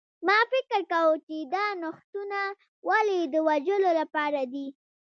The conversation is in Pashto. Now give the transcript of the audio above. ما فکر کاوه چې دا نوښتونه ولې د وژلو لپاره دي